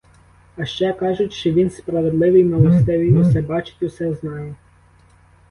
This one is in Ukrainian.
А ще, кажуть, що він справедливий, милостивий, усе бачить, усе знає.